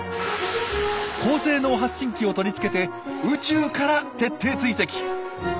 高性能発信機を取り付けて宇宙から徹底追跡！